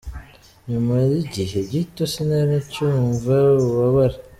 Nyuma y’igihe gito, sinari ncyumva ububabare.